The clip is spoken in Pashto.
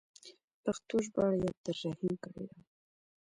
پښتو ژباړه یې عبدالرحیم کړې ده.